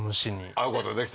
会うことができたの？